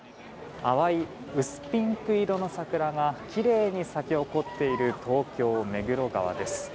淡い薄ピンク色の桜がきれいに咲き誇っている東京・目黒川です。